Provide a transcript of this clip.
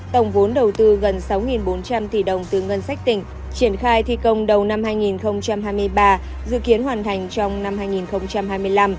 tổng vốn đầu tư gần sáu bốn trăm linh tỷ đồng từ ngân sách tỉnh triển khai thi công đầu năm hai nghìn hai mươi ba dự kiến hoàn thành trong năm hai nghìn hai mươi năm